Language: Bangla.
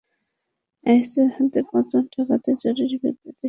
আইএসের হাতে পতন ঠেকাতে জরুরি ভিত্তিতে সামরিক সহায়তার আহ্বান জানিয়েছেন তাঁরা।